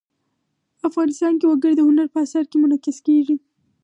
افغانستان کې وګړي د هنر په اثار کې منعکس کېږي.